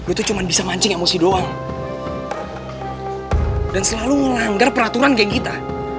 itu cuma bisa mancing emosi doang dan selalu melanggar peraturan geng kita